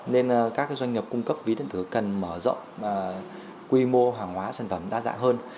nên các doanh nghiệp cung cấp ví điện tử cần mở rộng quy mô hàng hóa sản phẩm đa dạng hơn